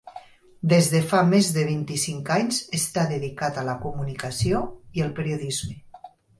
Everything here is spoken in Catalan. Des de fa més de vint-i-cinc anys està dedicat a la comunicació i el periodisme.